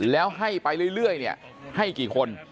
แล้วให้ไปเรื่อยให้กี่คน